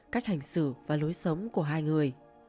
cách hành xử và lối sống của hai người